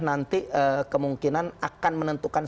nanti kemungkinan akan menentukan